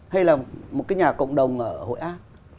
hay là một cái nhà cộng đồng ở hội an